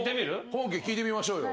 本家聞いてみましょうよ。